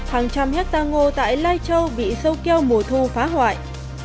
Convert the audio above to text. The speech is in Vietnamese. hàng trăm hectare ngô tại lai châu bị sâu keo mùa thu phá hoại